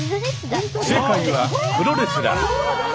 正解はプロレスラー。